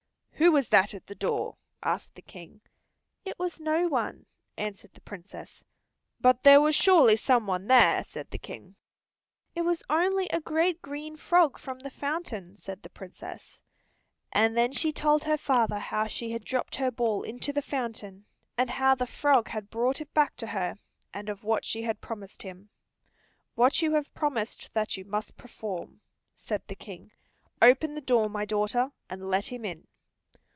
"Who was that at the door?" asked the King. "It was no one," answered the Princess. "But there was surely someone there," said the King. "It was only a great green frog from the fountain," said the Princess. And then she told her father how she had dropped her ball into the fountain, and how the frog had brought it back to her, and of what she had promised him. "What you have promised that you must perform," said the King. "Open the door, my daughter, and let him in."